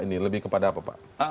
ini lebih kepada apa pak